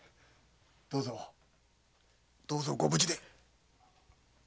どうぞどうぞご無事で！